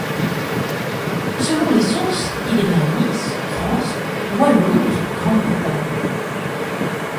Selon les sources il est né à Nice, France ou à Londres, Grande-Bretagne.